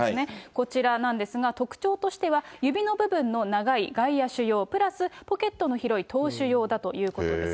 こちらなんですが、特徴としては、指の部分の長い外野手用プラスポケットの広い投手用だということです。